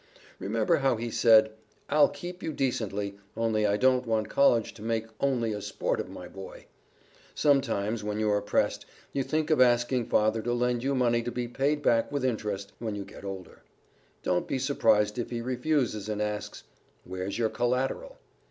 Remember how he said, "I'll keep you decently, only I don't want College to make only a sport of my boy." Sometimes, when you are pressed, you think of asking Father to lend you money to be paid back with interest, when you get older. Don't be surprised if he refuses and asks, "Where's your collateral?"